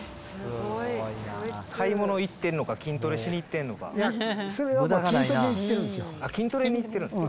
買い物行ってるのか、それは、筋トレに行ってるん筋トレに行ってるんですか。